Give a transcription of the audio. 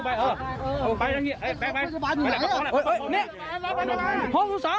เออเออเออเออเออเออเออเออเออเออเออเออเออเออเออเออ